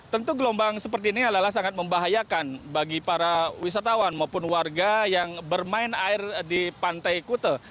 tentu gelombang seperti ini adalah sangat membahayakan bagi para wisatawan maupun warga yang bermain air di pantai kute